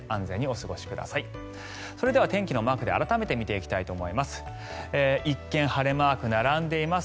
それでは天気のマークで改めて見ていきたいと思います。